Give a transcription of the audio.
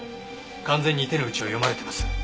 完全に手の内を読まれてます。